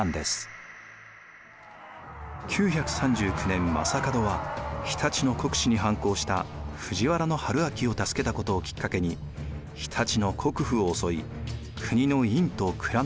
９３９年将門は常陸の国司に反抗した藤原玄明を助けたことをきっかけに常陸の国府を襲い国の印と蔵の鍵を奪います。